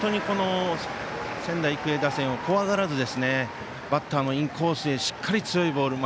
仙台育英打線を怖がらずバッターのインコースへしっかり強いボールを。